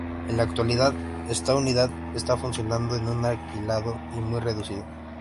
En la actualidad esta unidad está funcionando en un alquilado y muy reducido.